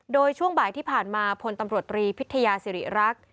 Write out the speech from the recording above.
โดยช่วงบ่ายที่ผ่านมาพลตำรวจตรีพิทยาศิริรักษ์